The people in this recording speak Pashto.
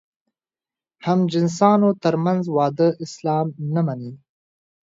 همجنسانو تر منځ واده اسلام نه مني.